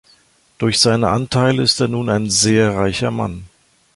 Durch seine Anteile ist er nun ein sehr reicher Mann.